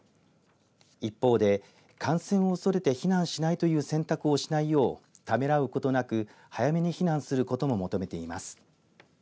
一方で感染をおそれて避難しないという選択をしないようためらうことなく早めに避難することも求めています。